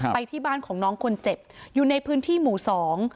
ไปที่บ้านของน้องคนเจ็บอยู่ในพื้นที่หมู่สอง